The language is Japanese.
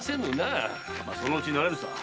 そのうち慣れるさ。